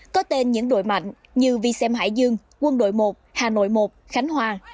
có tên những đội mạnh như vi xem hải dương quân đội một hà nội một khánh hòa